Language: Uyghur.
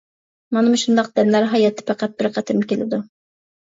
مانا مۇشۇنداق دەملەر ھاياتتا پەقەت بىر قېتىم كېلىدۇ.